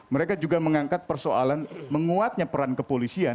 mereka juga mengangkat persoalan menguatnya peran kepolisian